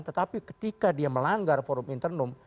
tetapi ketika dia melanggar forum internum